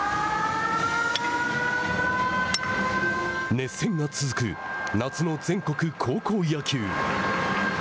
熱戦が続く夏の全国高校野球。